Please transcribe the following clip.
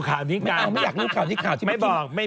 คนที่สองคนที่สามคนที่สี่